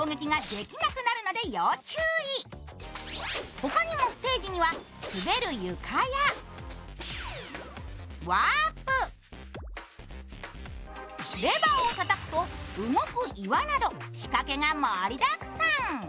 他にもステージには滑る床やワープ、レバーをたたくと動く岩など仕掛けが盛りだくさん。